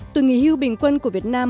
tuổi nghỉ hưu bình quân của việt nam